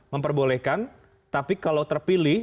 memperbolehkan tapi kalau terpilih